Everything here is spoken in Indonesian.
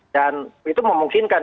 dan itu memungkinkan